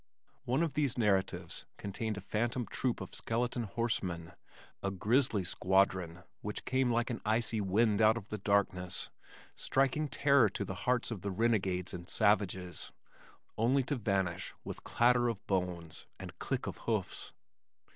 One of these narratives contained a phantom troop of skeleton horsemen, a grisly squadron, which came like an icy wind out of the darkness, striking terror to the hearts of the renegades and savages, only to vanish with clatter of bones, and click of hoofs.